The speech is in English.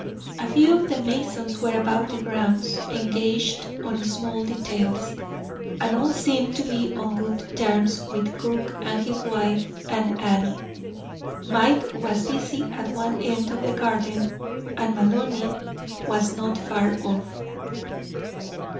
A few of the masons were about the grounds, engaged on small details, and all seemed to be on good terms with Cook and his wife, and Annie. Mike was busy at one end of the garden, and Maloney was not far off.